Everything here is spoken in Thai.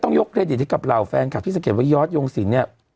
ต้องยกเครดิตให้กับเราแฟนคับที่สังเกตว่ายอร์ชยงศิลป์เนี้ย